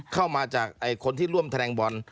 เข้ามาจากคนที่ร่วมแสดงบอล